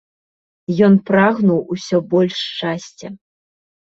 Ён прагнуў усё больш шчасця.